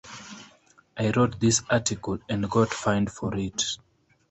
I wrote this article and got fined for it.